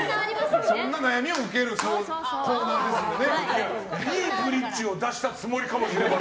そんな悩みを受けるコーナーですのでね。